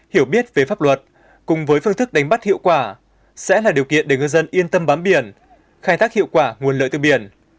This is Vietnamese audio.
hiểu biết về pháp luật cùng với phương thức đánh bắt hiệu quả sẽ là điều kiện để ngư dân yên tâm bám biển khai thác hiệu quả nguồn lợi từ biển